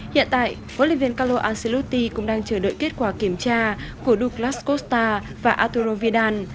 hiện tại vua liên viên carlo ancelotti cũng đang chờ đợi kết quả kiểm tra của douglas costa và arturo vidal